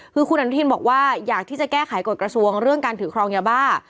คือคุณอนุทินบอกว่าอยากที่จะแก้ไขกฎกระทรวงเรื่องการถือครองยาบ้า